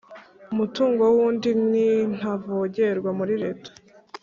umutungo wundi nintavogerwa muri reta